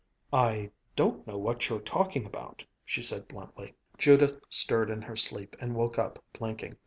"I don't know what you're talking about," she said bluntly. Judith stirred in her sleep and woke up blinking.